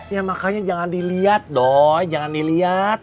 ya makanya jangan dilihat dong jangan dilihat